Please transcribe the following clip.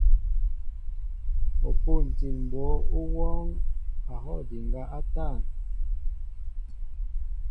O pûntil mbǒ ó wɔɔŋ a hɔw ndiŋgá a tȃn.